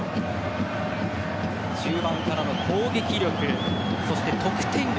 中盤からの攻撃力、そして得点力